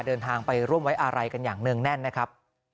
เดินทางไปร่วมไว้อาลัยกันอย่างเนื่องแน่นนะครับ